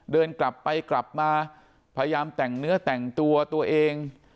เดินกลับไปกลับมาพยายามแต่งเนื้อแต่งตัวตัวเอง